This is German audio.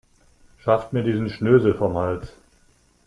Schafft mir diesen Schnösel vom Hals.